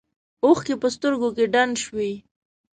اوښکې په سترګو کې ډنډ شوې.